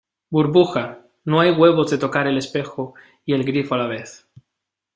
burbuja, no hay huevos de tocar el espejo y el grifo a la vez.